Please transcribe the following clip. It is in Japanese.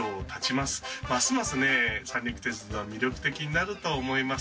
ますますね三陸鉄道は魅力的になると思います。